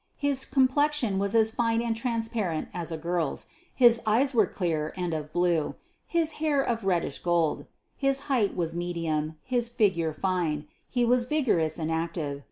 His complexion was as fine and transparent as a girl's; his eyes were clear and of blue; his hair of reddish gold. His height was medium, his figure fine; he was vigorous and active.